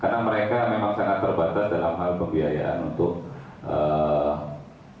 karena mereka memang sangat terbatas dalam hal pembiayaan untuk